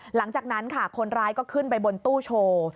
หลังจากนั้นค่ะคนร้ายก็ขึ้นไปบนตู้โชว์